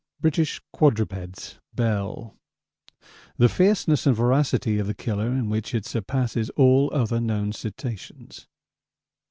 'British Quadrupeds' Bell: 'The fierceness and voracity of the killer, in which it surpasses all other known cetaceans.'